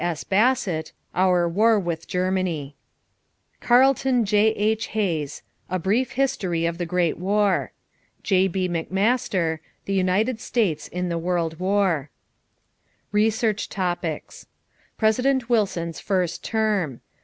S. Bassett, Our War with Germany. Carlton J.H. Hayes, A Brief History of the Great War. J.B. McMaster, The United States in the World War. =Research Topics= =President Wilson's First Term.